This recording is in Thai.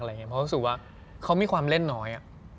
เพราะรู้สึกว่าเขามีความเล่นน้อย